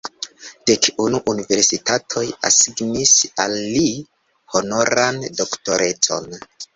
Dek unu universitatoj asignis al li honoran doktorecon.